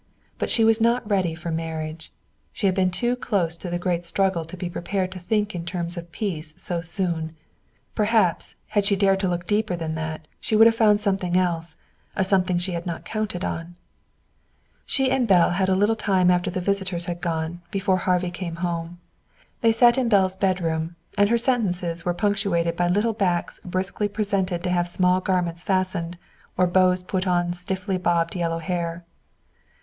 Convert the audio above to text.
But she was not ready for marriage. She had been too close to the great struggle to be prepared to think in terms of peace so soon. Perhaps, had she dared to look deeper than that, she would have found something else, a something she had not counted on. She and Belle had a little time after the visitors had gone, before Harvey came home. They sat in Belle's bedroom, and her sentences were punctuated by little backs briskly presented to have small garments fastened, or bows put on stiffly bobbed yellow hair.